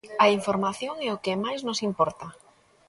A información é o que máis nos importa.